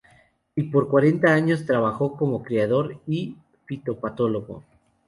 Y por cuarenta años trabajó como criador y fitopatólogo.